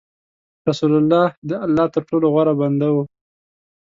رسول الله د الله تر ټولو غوره بنده و.